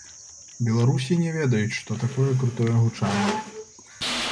Беларусі не ведаюць, што такое крутое гучанне.